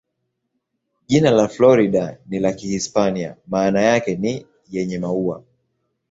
Jina la Florida ni ya Kihispania, maana yake ni "yenye maua".